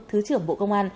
thứ trưởng bộ công an